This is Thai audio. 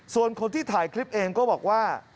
ส่วนคนที่ถ่ายคลิปเองก็บอกว่า